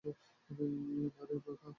নারে, বাবা!